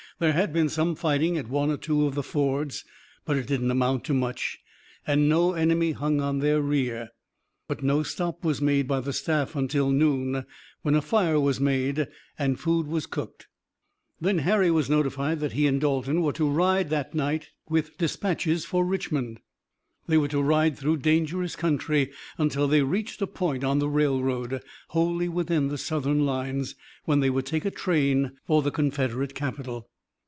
There had been some fighting at one or two of the fords, but it did not amount to much, and no enemy hung on their rear. But no stop was made by the staff until noon, when a fire was made and food was cooked. Then Harry was notified that he and Dalton were to start that night with dispatches for Richmond. They were to ride through dangerous country, until they reached a point on the railroad, wholly within the Southern lines, when they would take a train for the Confederate capital.